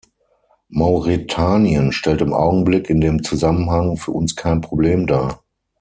Mauretanien stellt im Augenblick in dem Zusammenhang für uns kein Problem dar.